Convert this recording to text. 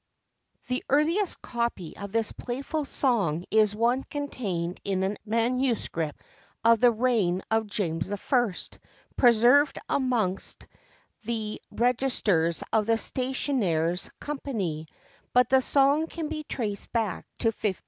[THE earliest copy of this playful song is one contained in a MS. of the reign of James I., preserved amongst the registers of the Stationers' Company; but the song can be traced back to 1566.